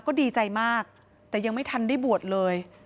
ก็ดีใจมากแต่ยังไม่ทันได้บวชเลย